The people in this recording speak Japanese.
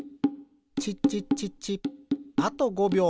チッチッチッチッあと５びょう。